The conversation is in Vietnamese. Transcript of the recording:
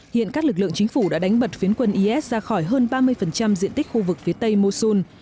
hiện các lực lượng chính phủ đã đánh bật phiến quân is ra khỏi hơn ba mươi diện tích khu vực phía tây mosul